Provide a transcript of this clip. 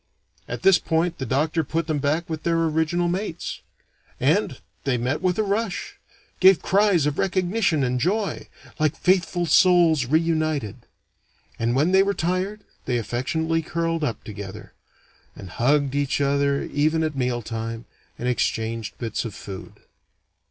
At this point, the doctor put them back with their original mates. And they met with a rush! Gave cries of recognition and joy, like faithful souls re united. And when they were tired, they affectionately curled up together; and hugged each other even at mealtime, and exchanged bits of food.